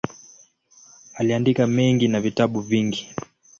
Aliandika mengi na vitabu vingi.